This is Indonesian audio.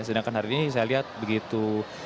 sedangkan hari ini saya lihat begitu